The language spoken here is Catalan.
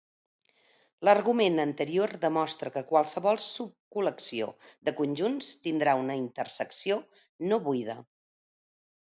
L'argument anterior demostra que qualsevol subcol·lecció de conjunts tindrà una intersecció no buida.